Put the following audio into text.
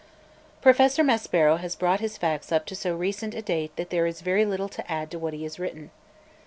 Professor Maspero has brought his facts up to so recent a date that there is very little to add to what he has written.